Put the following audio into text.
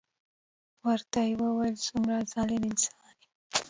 ورته يې وويل څومره ظلم انسان يې.